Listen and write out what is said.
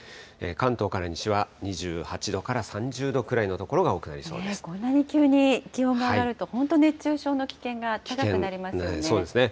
関東から西は２８度から３０度くこんなに急に気温が上がると、本当、熱中症の危険が高くなりますよね。